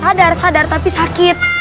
sadar sadar tapi sakit